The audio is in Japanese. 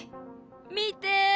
見て！